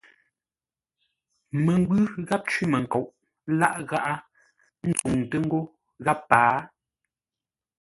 Məngwʉ̂ gháp cwímənkoʼ láʼ ngáʼá ntsuŋtə́ ńgó gháp pâa.